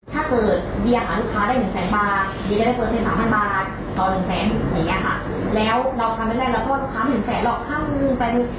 เราทำไม่ได้แล้วก็ค้าหมื่นแสนหรอกค้าหมื่นไปหนึ่ง